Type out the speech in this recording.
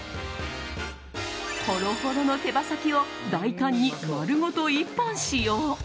ホロホロの手羽先を大胆に、丸ごと１本使用。